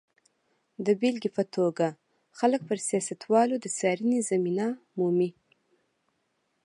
د بېلګې په توګه خلک پر سیاستوالو د څارنې زمینه مومي.